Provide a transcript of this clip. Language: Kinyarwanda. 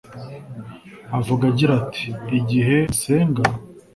avuga agira ati :« igihe musenga